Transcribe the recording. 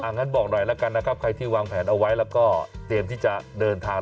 งั้นบอกหน่อยแล้วกันนะครับใครที่วางแผนเอาไว้แล้วก็เตรียมที่จะเดินทาง